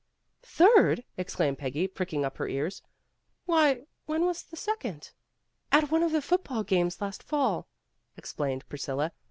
'' "Third?" exclaimed Peggy, pricking up her ears. "Why, when was the second?" "At one of the football games last fall," ex plained Priscilla.